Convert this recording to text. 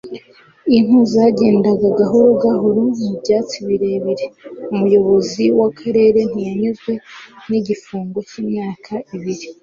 inka zagendaga gahoro gahoro mu byatsi birebire. umuyobozi w'akarere ntiyanyuzwe n'igifungo cy'imyaka ibiri